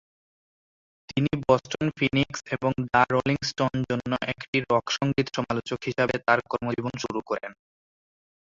তিনি "Boston Phoenix" এবং "the Rolling Stone" জন্য একটি রক সঙ্গীত সমালোচক হিসাবে তার কর্মজীবন শুরু করেন।